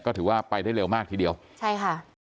ก็ถือว่าไปได้เร็วมากทีเดียวใช่ค่ะ